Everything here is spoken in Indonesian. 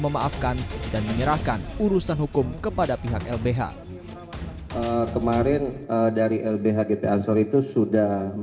memaafkan dan menyerahkan urusan hukum kepada pihak lbh kemarin dari lbh gp ansor itu sudah